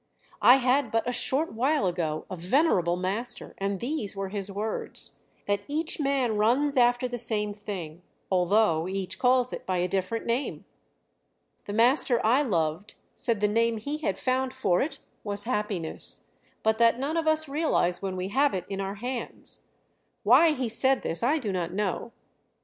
I had but a short while ago a venerable master, and these were his words: 'That each man runs after the same thing, although each calls it by a different name.' The master I loved said the name he had found for it was Happiness, but that none of us realize when we have it in our hands. Why he said this I do not know.